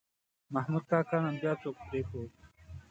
محمود کاکا نن بیا څوک پرېښود.